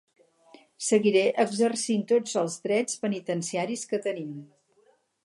Seguiré exercint tots els drets penitenciaris que tenim.